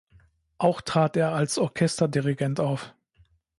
Auch trat er als Orchesterdirigent auf.